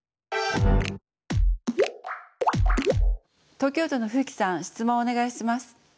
東京都のふうきさん質問をお願いします。